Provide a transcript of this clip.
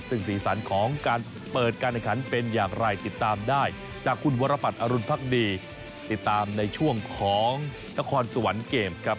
ซึ่งสีสันของการเปิดการแข่งขันเป็นอย่างไรติดตามได้จากคุณวรปัตรอรุณพักดีติดตามในช่วงของนครสวรรค์เกมส์ครับ